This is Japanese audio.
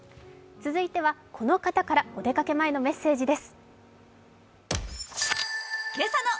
続いては、この方からお出かけ前のメッセージです。